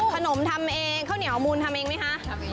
ทำเองข้าวเหนียวมูลทำเองไหมคะ